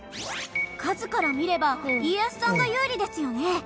数から見れば家康さんが有利ですよね。